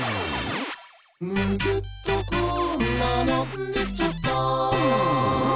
「むぎゅっとこんなのできちゃった！」